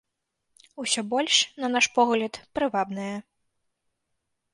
Усё больш, на наш погляд, прывабныя.